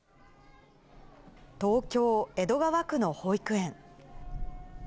東京・江戸川区の保育園。